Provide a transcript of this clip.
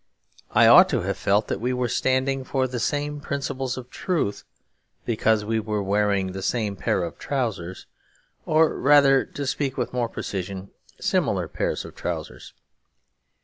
I ought to have felt that we were standing for the same principles of truth because we were wearing the same pair of trousers; or rather, to speak with more precision, similar pairs of trousers.